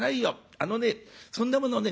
あのねそんなものね